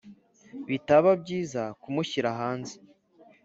bitaba byiza kumushyira hanze